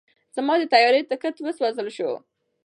زما د طیارې ټیکټ وسوځل شو.